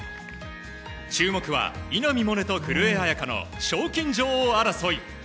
注目は稲見萌寧と古江彩佳の賞金女王争い。